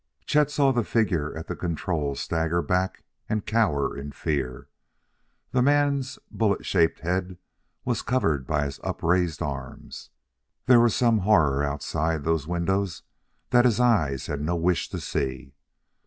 Chet saw the figure at the controls stagger back and cower in fear; the man's bullet shaped head was covered by his upraised arms: there was some horror outside those windows that his eyes had no wish to see.